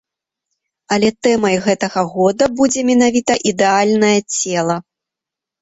Але тэмай гэтага года будзе менавіта ідэальнае цела.